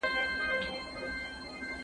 چې مارکيټ کې د نيازبينو چور چپاو کړو